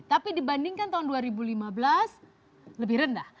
tapi dibandingkan tahun dua ribu lima belas lebih rendah